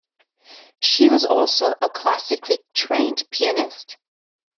She was also a classically trained pianist.